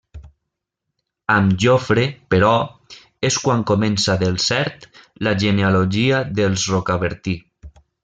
Amb Jofre, però, és quan comença del cert la genealogia dels Rocabertí.